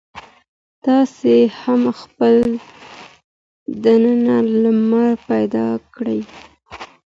تاسې هم خپل دننه لمر پیدا کړئ.